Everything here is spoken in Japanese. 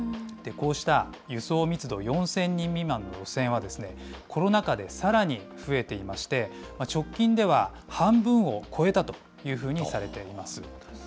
こうした輸送密度４０００人未満の路線は、コロナ禍でさらに増えていまして、直近では半分を超えたというふうにされています。